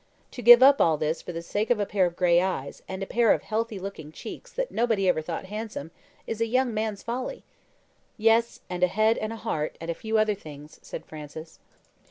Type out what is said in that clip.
To give up all this for the sake of a pair of grey eyes, and a pair of healthy looking cheeks that nobody ever even thought handsome, is a young man's folly." "Yes, and a head and a heart, and a few other things," said Francis.